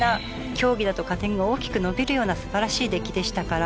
競技だと加点が大きく伸びるような素晴らしい出来でしたから。